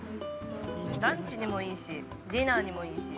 ランチにもいいし、ディナーにもいいし。